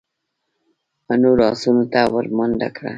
نورو آسونو ته ور منډه کړه.